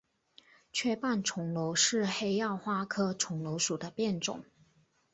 缺瓣重楼是黑药花科重楼属的变种。